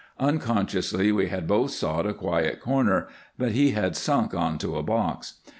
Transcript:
Unconsciously we had both sought a quiet corner, but he had sunk on to a box.